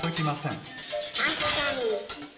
たしかに！